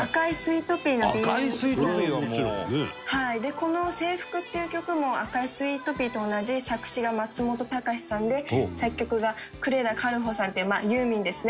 この『制服』っていう曲も『赤いスイートピー』と同じ作詞が松本隆さんで作曲が呉田軽穂さんっていうまあユーミンですね。